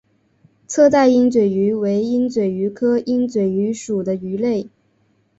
侧带鹦嘴鱼为鹦嘴鱼科鹦嘴鱼属的鱼类。